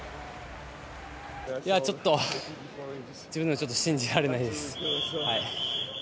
いやちょっと、自分でもちょっと信じられないです。